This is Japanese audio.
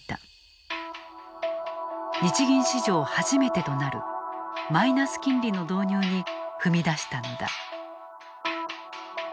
日銀史上初めてとなるマイナス金利の導入に踏み出したのだ。